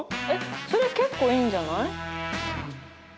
えっそれ結構いいんじゃない？